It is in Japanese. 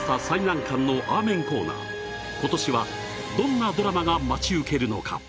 最難関のアーメンコーナーことしはどんなドラマが待ち構えるのか。